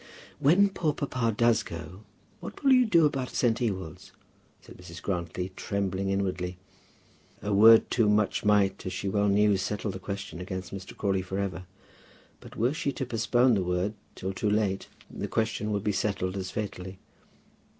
"When poor papa does go, what will you do about St. Ewold's?" said Mrs. Grantly, trembling inwardly. A word too much might, as she well knew, settle the question against Mr. Crawley for ever. But were she to postpone the word till too late, the question would be settled as fatally.